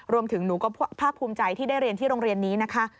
หนูก็ภาคภูมิใจที่ได้เรียนที่โรงเรียนนี้นะคะ